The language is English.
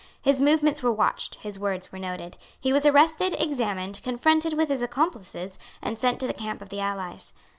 His movements were watched; his words were noted; he was arrested, examined, confronted with his accomplices, and sent to the camp of the allies.